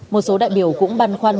một số đại biểu cũng băn khoăn